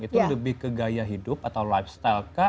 itu lebih ke gaya hidup atau lifestyle kah